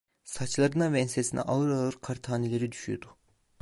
Saçlarına ve ensesine ağır ağır kar taneleri düşüyordu.